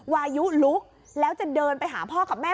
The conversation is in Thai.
วายุลุกแล้วจะเดินไปหาพ่อกับแม่